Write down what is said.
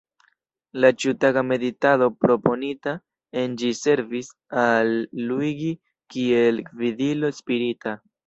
La ĉiutaga meditado proponita en ĝi servis al Luigi kiel gvidilo spirita.